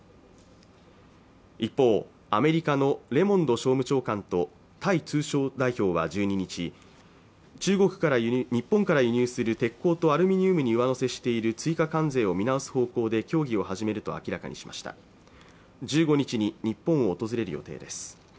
一方アメリカのレモンド商務長官とタイ通商代表は１２日日本から輸入する鉄鋼とアルミニウムに上乗せしている追加関税を見直す方向で協議を始めると明らかにしました１５日に日本を訪れる予定です